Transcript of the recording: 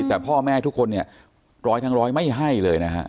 แต่พ่อแม่ทุกคนเนี่ยร้อยทั้งร้อยไม่ให้เลยนะฮะ